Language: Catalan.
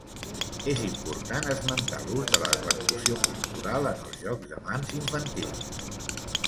És important esmentar l'ús de la percussió corporal en els jocs de mans infantils.